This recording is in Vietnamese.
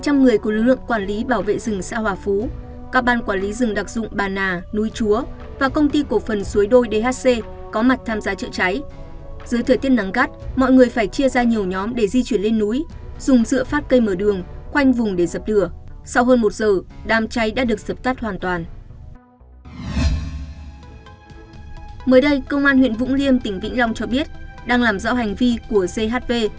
mới đây công an huyện vũng liêm tỉnh vĩnh long cho biết đang làm rõ hành vi của ghv